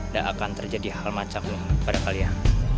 gak akan terjadi hal macam pada kalian